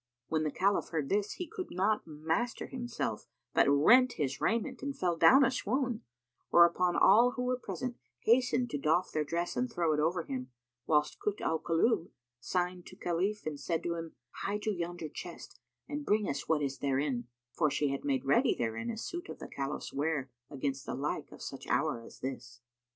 When the Caliph heard this, he could not master himself, but rent his raiment and fell down a swoon; whereupon all who were present hastened to doff their dress and throw it over him, whilst Kut al Kulub signed to Khalif and said to him, "Hie to yonder chest and bring us what is therein;" for she had made ready therein a suit of the Caliph's wear against the like of such hour as this.